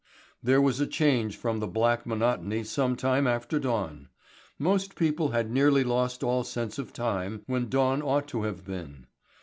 There was a change from the black monotony some time after dawn. Most people had nearly lost all sense of time when dawn ought to have been.